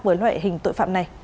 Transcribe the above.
với loại hình tội phạm này